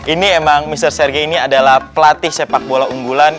ini emang mister serge ini adalah pelatih sepak bola unggulan